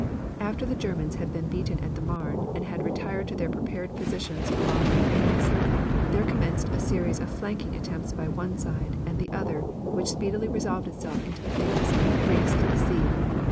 After the Germans had been beaten at the Marne and had retired to their prepared positions along the Aisne, there commenced a series of flanking attempts by one side and the other which speedily resolved itself into the famous "race to the sea."